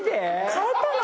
変えたの？